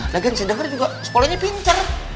nah kan saya denger juga sekolahnya pincar